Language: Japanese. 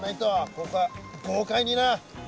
ここは豪快にな！